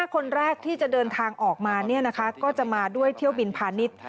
คนแรกที่จะเดินทางออกมาก็จะมาด้วยเที่ยวบินพาณิชย์